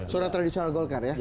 suara tradisional golkar ya